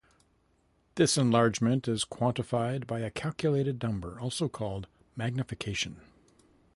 This enlargement is quantified by a calculated number also called "magnification".